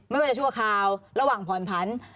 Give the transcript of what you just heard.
ไม่ว่าจะชั่วคราวระหว่างผ่อนผัน